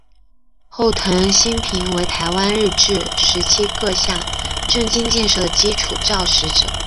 后藤新平为台湾日治时期各项政经建设的基础肇始者。